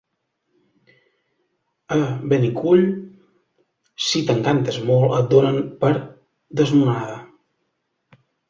A Benicull, si t'encantes molt, et donen per... desnonada.